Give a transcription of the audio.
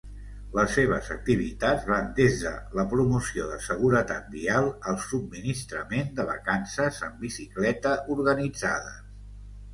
Les seves activitats van des de la promoció de seguretat vial al subministrament de vacances en bicicleta organitzades.